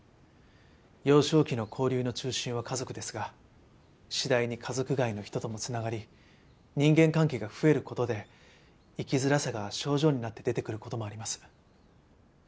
幼少期の交流の中心は家族ですが次第に家族外の人とも繋がり人間関係が増える事で生きづらさが症状になって出てくる事もあります。